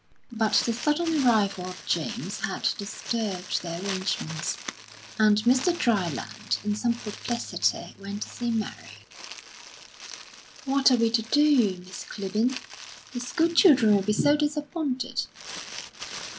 But the sudden arrival of James had disturbed the arrangements, and Mr. Dryland, in some perplexity, went to see Mary. "What are we to do, Miss Clibborn? The school children will be so disappointed."